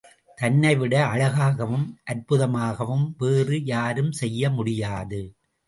தன்னை விட அழகாகவும், அற்புதமாகவும் வேறு யாரும் செய்ய முடியாது.